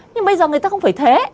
nhưng bây giờ người ta không phải thế